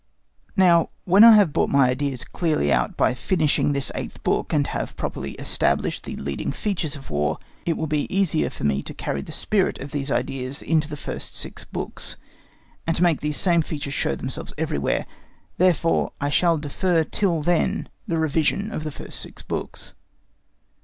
Now, when I have brought my ideas clearly out by finishing this eighth book, and have properly established the leading features of War, it will be easier for me to carry the spirit of these ideas in to the first six books, and to make these same features show themselves everywhere. Therefore I shall defer till then the revision of the first six books.